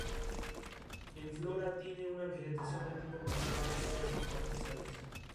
En flora tiene una vegetación de tipo matorral disperso y pastizales.